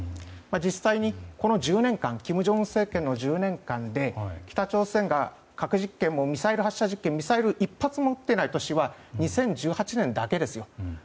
実際にこの金正恩政権の１０年間で北朝鮮が核実験をミサイル発射実験をミサイル１発も撃っていない年は２０１８年だけです。